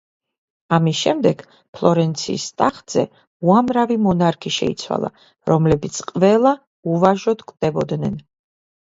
ამის შემდეგ ფლორენციის ტახტზე უამრავი მონარქი შეიცვალა, რომლებიც ყველა უვაჟოდ კვდებოდნენ.